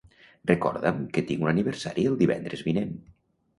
Recorda'm que tinc un aniversari el divendres vinent.